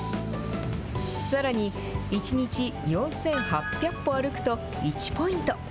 さらに１日４８００歩歩くと１ポイント。